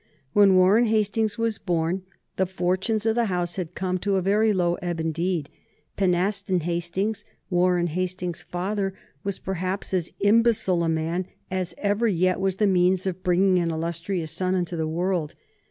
When Warren Hastings was born, the fortunes of the house had come to a very low ebb indeed. Pynaston Hastings, Warren Hastings's father, was, perhaps, as imbecile a man as ever yet was the means of bringing an illustrious son into the world.